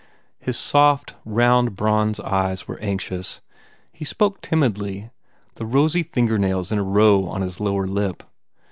His soft, round bronze eyes were anxious. He spoke timidly, the rosy fingernails in a row on his lower lip.